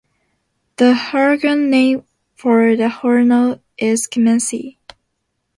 The Hungarian name for the horno is kemence.